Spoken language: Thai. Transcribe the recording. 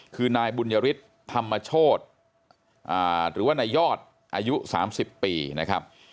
คือนายบุญยฤทธิ์ธรรมโชธหรือว่านายยอดอายุ๓๐ปีนะครับ